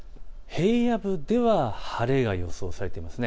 平野部では晴れが予想されています。